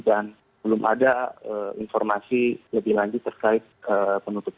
dan belum ada informasi lebih lanjut